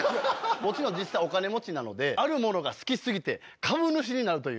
もちろん実際お金持ちなのであるものが好き過ぎて株主になるという。